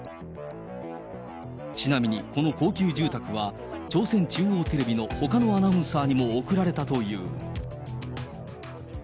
ちなみにこの高級住宅は、朝鮮中央テレビのほかのアナウンサーにも贈られたという。